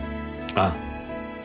ああ。